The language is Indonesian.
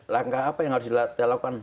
langkah apa yang harus dilakukan